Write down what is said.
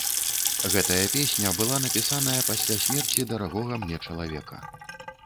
Гэтая песня была напісаная пасля смерці дарагога мне чалавека.